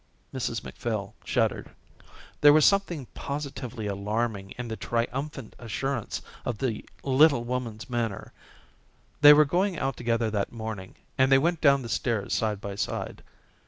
Mrs Macphail shuddered. There was something positively alarming in the triumphant assurance of the little woman's manner. They were going out together that morning, and they went down the stairs side by side.